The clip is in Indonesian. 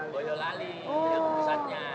boyolali yang pusatnya